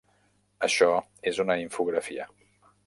Això és una infografia.